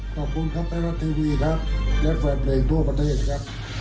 ขอบคุณครับไทยรัฐทีวีครับและแฟนเพลงทั่วประเทศครับ